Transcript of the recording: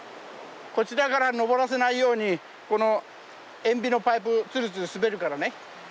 こちらから登らせないようにこの塩ビのパイプツルツル滑るからね嫌がるわけね。